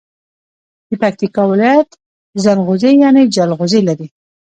د پکیتکا ولایت زنغوزي یعنی جلغوزي لري.